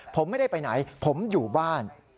ผมไม่ได้ไปไหนผมอยู่บ้าน